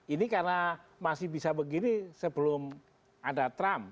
ini karena masih bisa begini sebelum ada trump